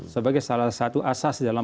sebagai salah satu asas dalam